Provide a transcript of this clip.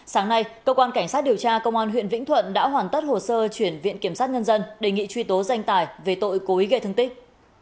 sáng nay cơ quan cảnh sát điều tra công an huyện vĩnh thuận đã hoàn tất hồ sơ chuyển viện kiểm sát nhân dân đề nghị truy tố danh tài về tội cố ý gây thương tích